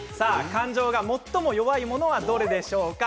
感情が最も弱いものはどれでしょうか？